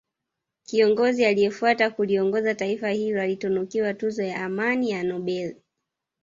kiongozi aliyefuata kuliongoza taifa hilo alitunukiwa tuzo ya amani ya nobeli